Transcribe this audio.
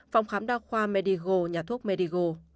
phòng khám đa khoa medigo nhà thuốc medigo